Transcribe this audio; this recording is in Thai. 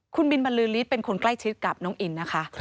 คุณบินบรรลือฤทธิ์เป็นคนใกล้ชิดกับน้องอินนะคะ